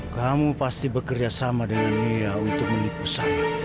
kamu pasti bekerja sama dengan mia untuk melipu saya